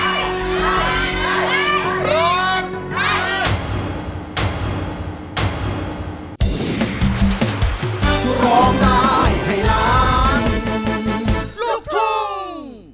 ร้องได้ร้องได้ร้องได้